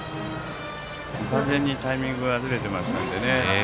完全にタイミングがずれていましたので。